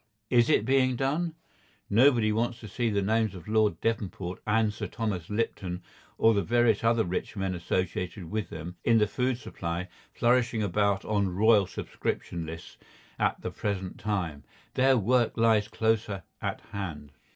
Is it being done? Nobody wants to see the names of Lord Devonport or Sir Thomas Lipton or the various other rich men associated with them in the food supply flourishing about on royal subscription lists at the present time; their work lies closer at hand.